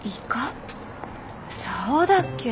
そうだっけ？